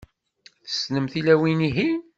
Tessnem tilawin-ihin?